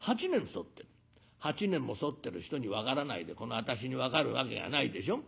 ８年も添ってる人に分からないでこの私に分かるわけがないでしょ。